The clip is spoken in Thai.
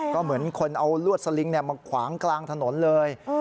ก็เหมือนคนเอาลวดสลิงมาขวางกลางถนนเลย